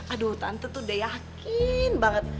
aduh tante tuh udah yakin banget